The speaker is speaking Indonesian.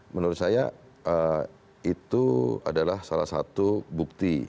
menurut saya itu adalah salah satu bukti